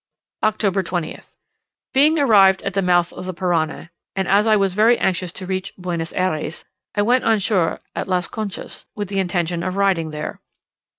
October 20th. Being arrived at the mouth of the Parana, and as I was very anxious to reach Buenos Ayres, I went on shore at Las Conchas, with the intention of riding there.